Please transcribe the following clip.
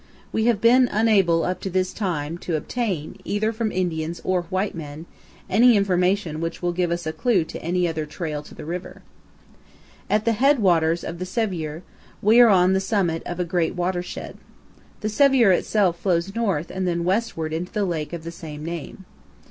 We have been unable up to this time to obtain, either from Indians or white men, any information which will give us a clue to any other trail to the river. At the headwaters of the Sevier, we are on the summit of a great watershed. The Sevier itself flows north and then westward into the lake of the same name.